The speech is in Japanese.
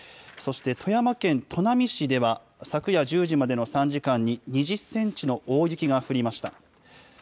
そして富山県砺波市では、昨夜１０時までの３時間に、２０センチの大雪が降りました。